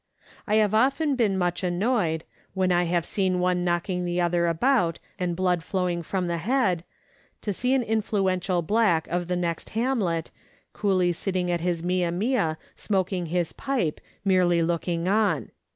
I have often been much annoyed, when I have seen one knocking the other about and blood flowing from the head, to see an influ ential black of the next hamlet, coolly sitting at his mia mia smoking his pipe merely looking on.